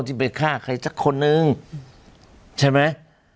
ที่ไปฆ่าใครสักคนนึงใช่ไหม